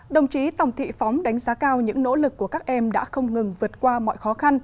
đồng chí tòng thị phóng đánh giá cao những nỗ lực của các em đã không ngừng vượt qua mọi khó khăn